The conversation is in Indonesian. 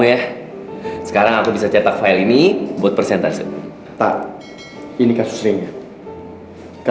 bapak manggil saya kesini bukan cuma soal ini kan pak